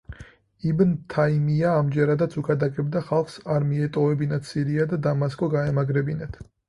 იბნ თაიმია ამჯერადაც უქადაგებდა ხალხს, არ მიეტოვებინათ სირია და დამასკო გაემაგრებინათ.